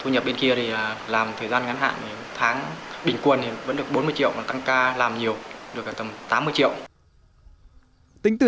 thu nhập bên kia thì làm thời gian ngắn hạn tháng bình quân thì vẫn được bốn mươi triệu